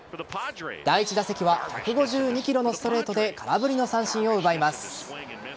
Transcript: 第１打席は１５２キロのストレートで空振りの三振を奪います。